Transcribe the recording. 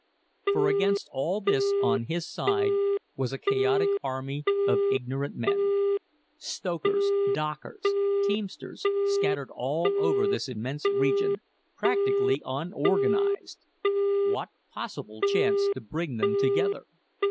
For against all this, on his side, was a chaotic army of ignorant men, stokers, dockers, teamsters, scattered all over this immense region, practically unorganized. What possible chance to bring them together?